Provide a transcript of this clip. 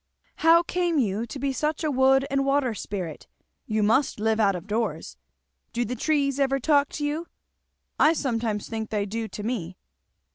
"How came you to be such a wood and water spirit? you must live out of doors. Do the trees ever talk to you? I sometimes think they do to me."